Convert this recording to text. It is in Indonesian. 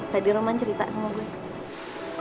tadi roman cerita sama gue